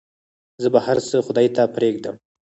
زه به هرڅه خداى ته پرېږدم.